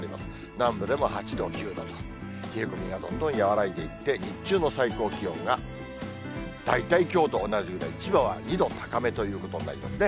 南部でも８度、９度と、冷え込みはどんどん和らいでいって、日中の最高気温が、大体きょうと同じぐらい、千葉は２度高めということになりますね。